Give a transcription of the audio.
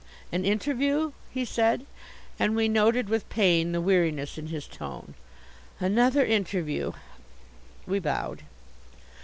"An interview?" he said, and we noted with pain the weariness in his tone. "Another interview!" We bowed.